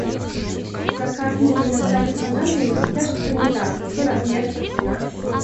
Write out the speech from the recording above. С заказанными на сайте панамками всегда что-то не так. То размер, то цена...